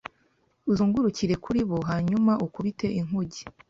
Uzungurukire kuri bo hanyuma ukubite inkuge